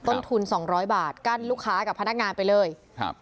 ต้นทุนสองร้อยบาทกั้นลูกค้ากับพนักงานไปเลยครับ